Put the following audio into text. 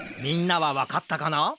みんなはわかったかな？